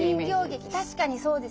確かにそうですね。